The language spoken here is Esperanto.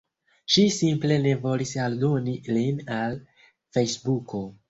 Ŝi simple ne volis aldoni lin al Fejsbuko.